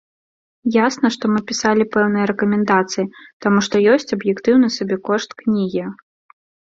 Ясна, што мы пісалі пэўныя рэкамендацыі, таму што ёсць аб'ектыўны сабекошт кнігі.